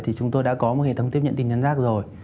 thì chúng tôi đã có một hệ thống tiếp nhận tin nhắn rác rồi